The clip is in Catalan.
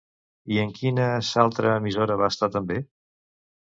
I en quines altra emissora va estar també?